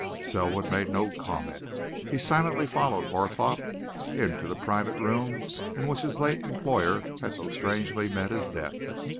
Selwood made no comment. He silently followed Barthorpe into the private room in which his late employer had so strangely met his death.